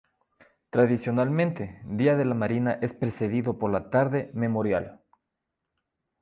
Tradicionalmente, Día de la Marina es precedido por la Tarde Memorial.